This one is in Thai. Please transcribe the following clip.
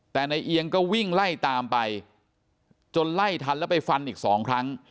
แต่นายเอียงก็วิ่งไล่ตามไปจนไล่ทันแล้วไปฟันอีกสองครั้ง